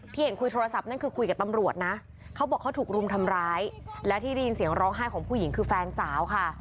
เห็นคุยโทรศัพท์นั่นคือคุยกับตำรวจนะเขาบอกเขาถูกรุมทำร้ายและที่ได้ยินเสียงร้องไห้ของผู้หญิงคือแฟนสาวค่ะ